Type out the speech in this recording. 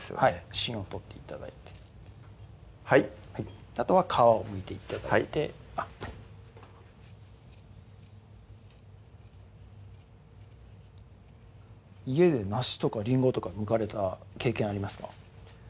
芯を取って頂いてはいあとは皮をむいて頂いて家でなしとかりんごとかむかれた経験ありますか？